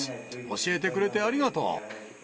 教えてくれてありがとう。